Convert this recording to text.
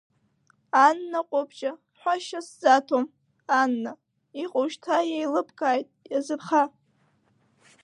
Анна ҟәыбҷа, ҳәашьа сзаҭом, Анна, иҟоу шьҭа иеилыбкааит, иазырха.